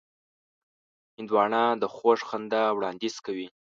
هندوانه د خوږ خندا وړاندیز کوي.